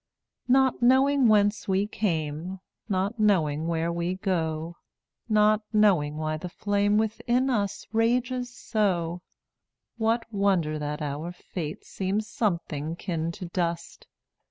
188 Not knowing whence we came, Not knowing where we go, Not knowing why the flame Within us rages so, What wonder that our fate Seems something kin to dust?